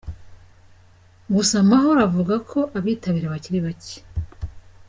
Gusa, Mahoro avuga ko abitabira bakiri bake.